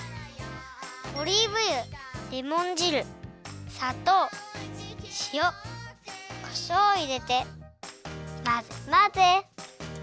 オリーブ油レモン汁さとうしおこしょうをいれてまぜまぜ！